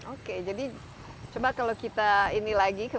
oke jadi coba kalau kita ini lagi